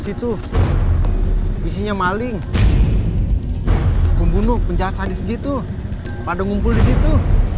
situ bisinya maling pembunuh penjahat sadis gitu pada ngumpul disitu